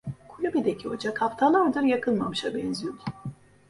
Kulübedeki ocak haftalardır yakılmamışa benziyordu.